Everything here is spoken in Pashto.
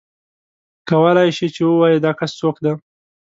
کولای شې چې ووایې دا کس څوک دی.